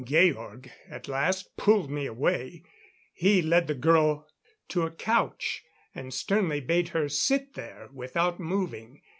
Georg, at last, pulled me away; he led the girl to a couch and sternly bade her sit there without moving.